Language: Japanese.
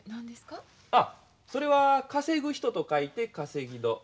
あっそれは稼ぐ人と書いて「かせぎど」。